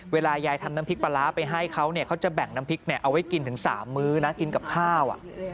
เวลายายทำน้ำพริกปลาร้าไปให้เขาเนี่ยเขาจะแบ่งน้ำพริกเอาไว้กินถึง๓มื้อนะกินกับข้าว